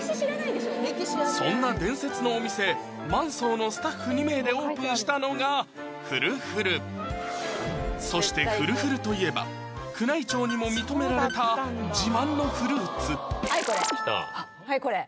そんな伝説のお店万惣のスタッフ２名でオープンしたのがフルフルそしてフルフルといえば宮内庁にも認められた自慢のフルーツはいこれ！